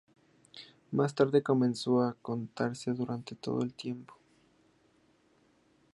Más tarde comenzó a cantarse durante todo el tiempo pascual.